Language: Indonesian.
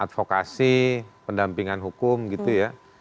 advokasi pendampingan hukum gitu ya